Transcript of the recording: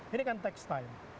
ini kan take time